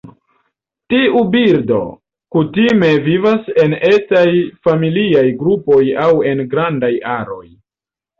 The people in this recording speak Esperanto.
Tiu birdo kutime vivas en etaj familiaj grupoj aŭ en grandaj aroj.